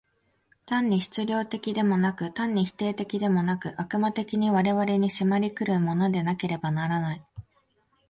単に質料的でもなく、単に否定的でもなく、悪魔的に我々に迫り来るものでなければならない。